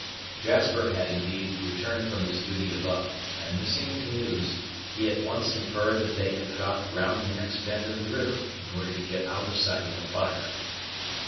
Jasper had indeed returned from his duty above; and missing the canoes, he at once inferred that they had dropped round the next bend in the river, in order to get out of sight of the fire.